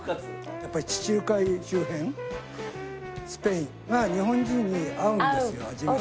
やっぱり地中海周辺スペインが日本人に合うんですよ味が。